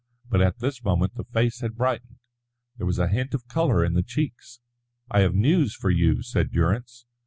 But at this moment the face had brightened, there was a hint of colour in the cheeks. "I have news for you," said Durrance.